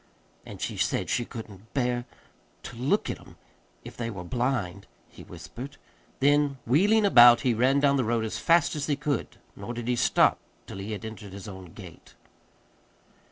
"And she said she couldn't bear to look at 'em if they were blind," he whispered. Then, wheeling about, he ran down the road as fast as he could. Nor did he stop till he had entered his own gate.